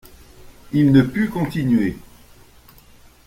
Il ne put continuer.